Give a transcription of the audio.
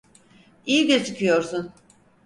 İyi gözüküyorsun.